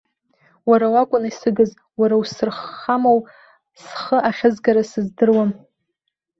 Уара уакәын исыгыз, уара усырххамоу, схы ахьызгара сыздыруам.